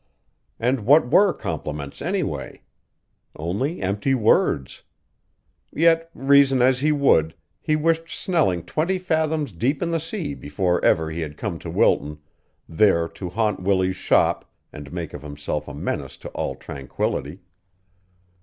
And what were compliments anyway? Only empty words. Yet reason as he would, he wished Snelling twenty fathoms deep in the sea before ever he had come to Wilton, there to haunt Willie's shop and make of himself a menace to all tranquillity.